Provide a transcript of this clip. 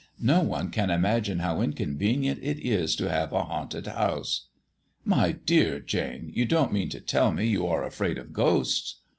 No one can imagine how inconvenient it is to have a haunted house." "My dear Jane, you don't mean to tell me you are afraid of ghosts?"